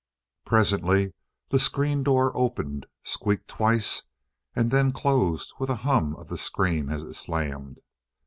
Presently the screen door opened, squeaked twice, and then closed with a hum of the screen as it slammed.